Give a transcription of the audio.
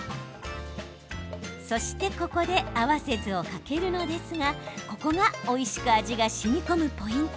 そしてここで合わせ酢をかけるのですがここがおいしく味がしみこむポイント。